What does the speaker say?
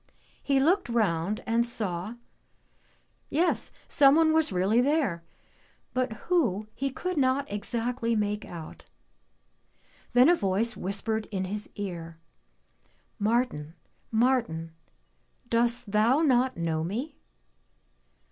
He looked round and saw — ^yes someone was really there, but who he could not exactly make out. Then a voice whispered in his ear, "Martin, Martin, does thou not know me?'